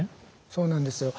そうなんですよ。